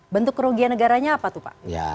bentuk kerugian negaranya apa tuh pak